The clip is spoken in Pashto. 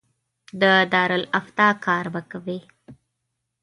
د دارالافتا کار به کوي.